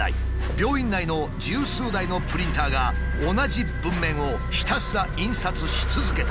病院内の十数台のプリンターが同じ文面をひたすら印刷し続けた。